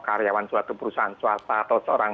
karyawan suatu perusahaan swasta atau seorang